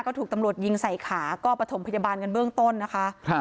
ก็ถูกตำรวจยิงใส่ขาก็ประถมพยาบาลกันเบื้องต้นนะคะ